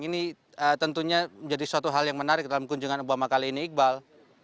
ini tentunya menjadi suatu hal yang menarik dalam kunjungan obama kali ini iqbal